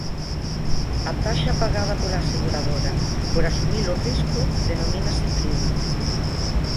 A taxa pagada pola aseguradora por asumir o risco denomínase prima.